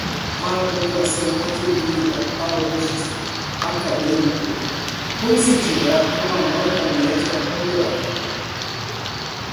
A pontuação atribuída ao registro acadêmico coincidirá com a nota média ponderada.